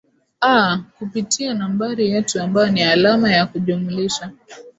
aah kupitia nambari yetu ambayo ni alama ya kujumulisha